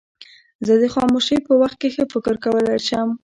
زه د خاموشۍ په وخت کې ښه فکر کولای شم.